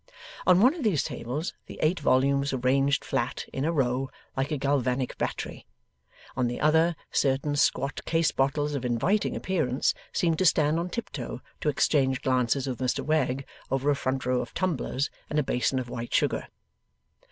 On one of these tables, the eight volumes were ranged flat, in a row, like a galvanic battery; on the other, certain squat case bottles of inviting appearance seemed to stand on tiptoe to exchange glances with Mr Wegg over a front row of tumblers and a basin of white sugar.